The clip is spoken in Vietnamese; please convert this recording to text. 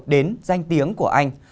đến danh tiếng của anh